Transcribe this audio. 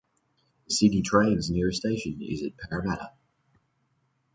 Sydney Trains nearest station is at Parramatta.